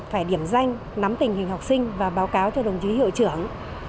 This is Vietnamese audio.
phải điểm danh nắm tình hình học sinh và báo cáo cho đồng chí hiệu trưởng